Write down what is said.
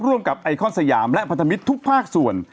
ร่วมกับไอคอนสยามและพันธมิตรทุกภาคส่วน